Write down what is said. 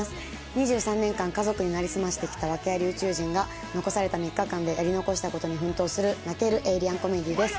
２３年間家族に成り済ましてきた訳あり宇宙人が残された３日間でやり残したことに奮闘する泣けるエイリアンコメディーです。